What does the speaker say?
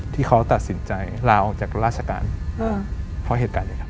ที่เขาตัดสินใจลาออกจากราชการเพราะเหตุการณ์นี้ครับ